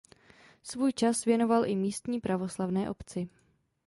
Svůj čas věnoval i místní pravoslavné obci.